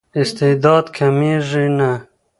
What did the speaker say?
استعداد کمېږي نه.